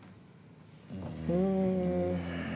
うん。